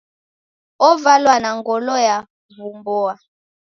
Ovalwa n a ngolo ya w'umboa.